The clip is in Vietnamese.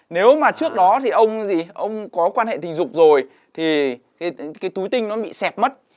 nếu mà trước đó thì ông có quan hệ tình dục rồi thì cái túi tinh nó bị xẹp mất